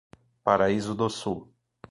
Paraíso do Sul